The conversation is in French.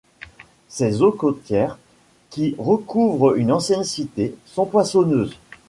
Ses eaux côtières, qui recouvrent une ancienne cité, sont poissonneuses.